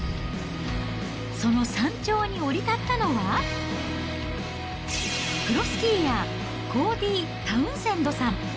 その山頂に降り立ったのは、プロスキーヤー、コーディー・タウンセンドさん。